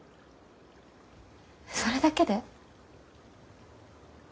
それだけで？